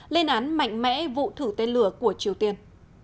lên án mạnh mẽ vụ thử tên lửa của triều tiên